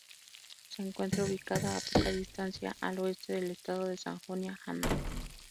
Se encuentra ubicado a poca distancia al oeste del estado de Sajonia-Anhalt.